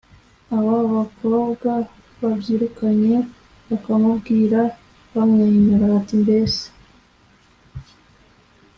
Abo bakobwa babyirukanye bakamubwira bamwenyura, bati: “Mbese